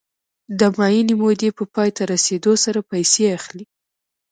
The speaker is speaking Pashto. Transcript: د معینې مودې په پای ته رسېدو سره پیسې اخلي